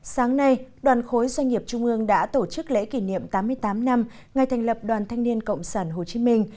sáng nay đoàn khối doanh nghiệp trung ương đã tổ chức lễ kỷ niệm tám mươi tám năm ngày thành lập đoàn thanh niên cộng sản hồ chí minh